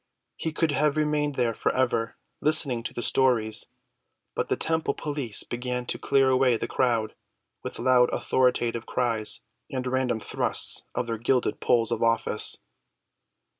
He could have remained there forever listening to the stories; but the temple police began to clear away the crowd with loud authoritative cries and random thrusts of their gilded poles of office.